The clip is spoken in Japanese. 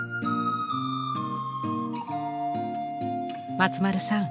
松丸さん